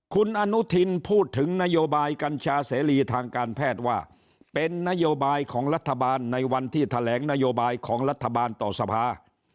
คุณอนุทินพูดถึงนโยบายกัญชาเสรีทางการแพทย์ว่าเป็นนโยบายของรัฐบาลในวันที่แถลงนโยบายของรัฐบาลต่อสภา